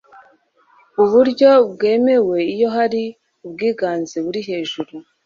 u buryo bwemewe iyo hari ubwiganze buri hejuru